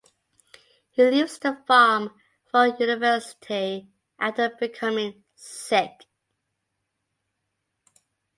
He leaves the farm for university after becoming sick.